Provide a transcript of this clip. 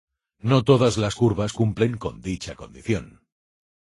No todas las curvas cumplen con dicha condición.